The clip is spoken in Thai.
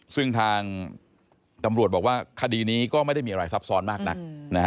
ซึ่งทางตำรวจบอกว่าคดีนี้ก็ไม่ได้มีอะไรซับซ้อนมากนัก